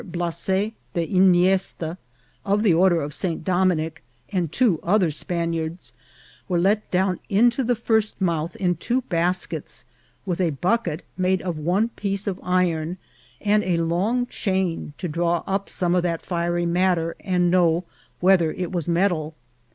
Blase de Yniesta, of the Order of St. Dominick, and two other Spaniards, were let down into the first Mouth in two Baskets, with a Bucket made of one Piece of Iron, and a long Chain to draw up some of that fiery Matter, and know whether it was Metal.